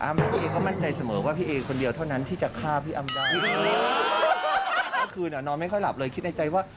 เมื่อคืนนายนอนไม่ค่อยหลับเลยคิดในใจว่า